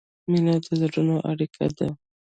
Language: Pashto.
مینه د زړونو اړیکه ده.